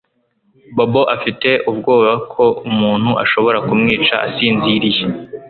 Bobo afite ubwoba ko umuntu ashobora kumwica asinziriye